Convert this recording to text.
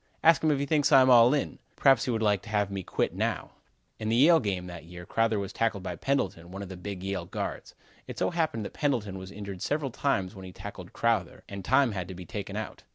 Ask him if he thinks I'm all in? Perhaps he would like to have me quit now." In the Yale game that year Crowther was tackled by Pendleton, one of the big Yale guards. It so happened that Pendleton was injured several times when he tackled Crowther and time had to be taken out.